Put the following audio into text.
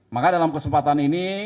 maka dalam kesempatan ini